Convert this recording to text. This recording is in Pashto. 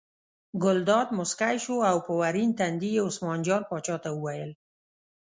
ګلداد موسکی شو او په ورین تندي یې عثمان جان پاچا ته وویل.